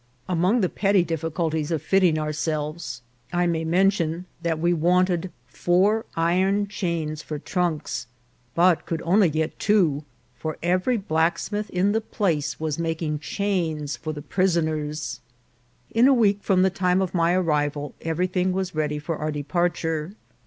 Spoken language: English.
Among the petty difficulties of fitting ourselves I may 132 INCIDENTS OF TRAVEL. mention that we wanted four iron chains for trunks, but could only get two, for every blacksmith in the place was making chains for the prisoners. In a week from the time of my arrival everything was ready for our de parture.